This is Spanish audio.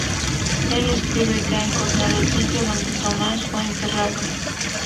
Él escribe que ha encontrado el sitio donde Tomás fue enterrado.